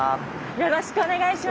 よろしくお願いします。